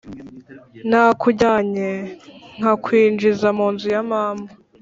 Nakujyanye, nkakwinjiza mu nzu ya mama,